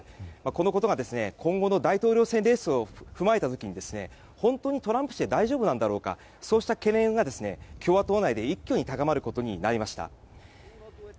このことが今後の大統領選レースを踏まえた時に本当にトランプ氏で大丈夫なんだろうかという懸念が共和党内で一挙に高まることになりました。